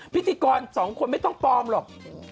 พิธีกรสองคนไม่ต้องปลอมหรอก